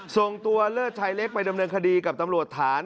ส่งตัวเลิศชายเล็กไปดำเนินคดีกับตำรวจฐาน